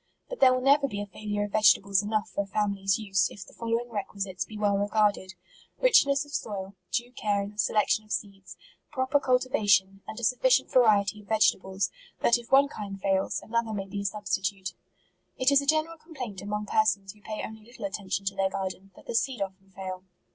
But there will never be a failure of vegetables enough for a family's use, if the following requisites be well regarded :— Richness of soil; due care in the selection of seeds ; proper cultivation ; and a sufficient variety of vegetables, that if one kind fails, another may be a substitute. " It is a general complaint among persons who pay only little attention to their garden, that the seed often fail.